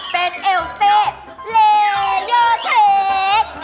เป็นเอวเซ่เลเยอร์เค้ก